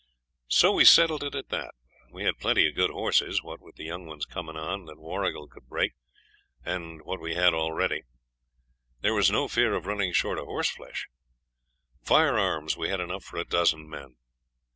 So we settled it at that. We had plenty of good horses what with the young ones coming on, that Warrigal could break, and what we had already. There was no fear of running short of horse flesh. Firearms we had enough for a dozen men.